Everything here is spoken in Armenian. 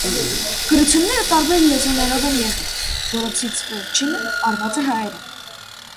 Գրությունները տարբեր լեզուներով են եղել, որոնցից վերջինը արված է հայերեն։